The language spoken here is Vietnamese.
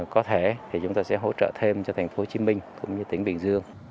có thể chúng tôi sẽ hỗ trợ thêm cho thành phố hồ chí minh cũng như tỉnh bình dương